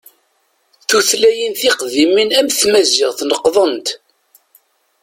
Tutlayin tiqdimin am tmazight neqḍent.